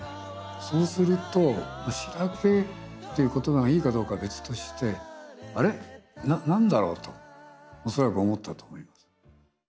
そうすると「しらけ」っていう言葉がいいかどうかは別として「あれ？何だろう」と恐らく思ったと思います。